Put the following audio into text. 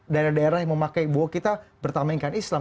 daerah daerah yang memakai bahwa kita bertamaikan islam